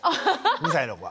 ２歳の子が。